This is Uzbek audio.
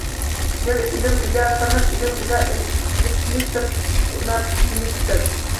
Yerni ilm ila, sanʻat ila ilitmishdir, doʻnatmishdir